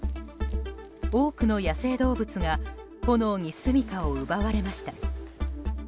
多くの野生動物が炎にすみかを奪われました。